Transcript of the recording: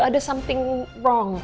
ada sesuatu yang salah